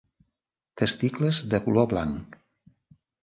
Testicles de color blanc.